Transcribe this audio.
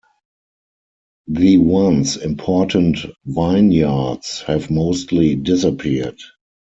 The once important vineyards have mostly disappeared.